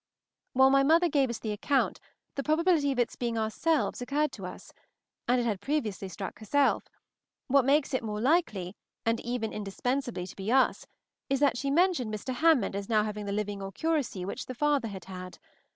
While my mother gave us the account, the probability of its being ourselves occurred to us, and it had previously struck herself ... what makes it more likely, and even indispensably to be us, is that she mentioned Mr. Hammond as now having the living or curacy which the father had had.